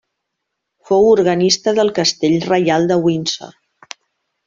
Fou organista del castell reial de Windsor.